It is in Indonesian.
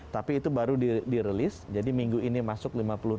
tapi itu baru dirilis jadi minggu ini masuk lima puluh